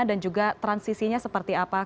dan juga transisinya seperti apa